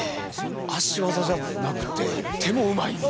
足技じゃなくて手もうまいんだ。